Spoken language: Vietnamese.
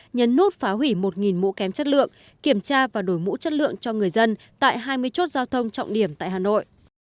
nhấn nút phá hủy một mũ kém chất lượng kiểm tra và đổi mũ chất lượng cho người dân tại hai mươi chốt giao thông trọng điểm tại hà nội